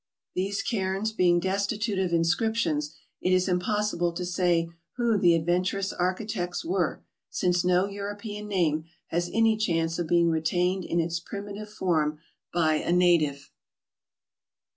These cairns being destitute of inscriptions, it is impossible to say who the adventurous architects were, since no European name has any chance of being retained in its primi¬ tive form by a native.